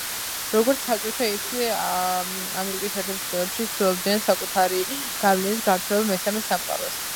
როგორც საბჭოთა ისე აშშ ცდილობდნენ საკუთარი გავლენის გავრცელება მესამე სამყაროს